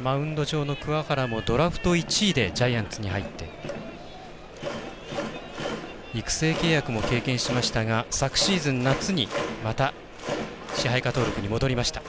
マウンド上の鍬原もドラフト１位でジャイアンツに入って育成契約も経験しましたが昨シーズン夏にまた支配下登録に戻りました。